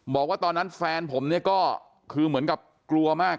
บอกว่าตอนนั้นแฟนผมเนี่ยก็คือเหมือนกับกลัวมาก